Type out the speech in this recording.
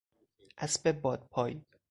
اسب باد پای